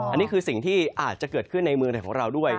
อันนี้คือสิ่งที่อาจจะเกิดขึ้นในเมืองไทยของเราด้วย